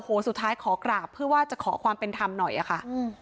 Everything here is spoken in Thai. สุดท้ายขอกราบเพื่อว่าจะขอความเป็นธรรมหน่อยอะค่ะอืม